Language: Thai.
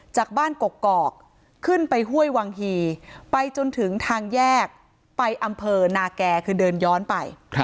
จากบ้านกกอกขึ้นไปห้วยวังฮีไปจนถึงทางแยกไปอำเภอนาแก่คือเดินย้อนไป